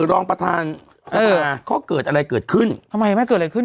รองประธานสภาก็เกิดอะไรเกิดขึ้นทำไมไม่เกิดอะไรขึ้น